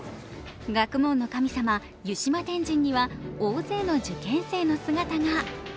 学問の神様・湯島天神には大勢の受験生の姿が。